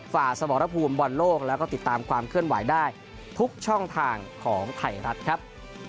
สมรภูมิบอลโลกแล้วก็ติดตามความเคลื่อนไหวได้ทุกช่องทางของไทยรัฐครับ